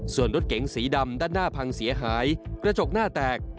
ส่วนรถเก๋งสีดำด้านหน้าพังเสียหายกระจกหน้าแตก